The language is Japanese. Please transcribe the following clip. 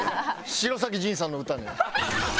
城咲仁さんの歌ね。